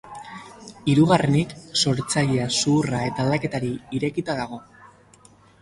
Hirugarrenik, sortzailea zuhurra eta aldaketari irekita dago.